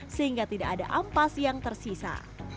sehingga tidak ada ampas yang tersisa